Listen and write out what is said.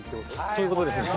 そういう事ですね。